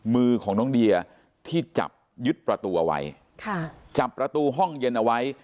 มือของน้องเดียที่จับยึดประตูเอาไว้ค่ะจับประตูห้องเย็นเอาไว้